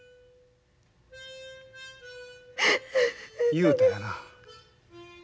雄太やな。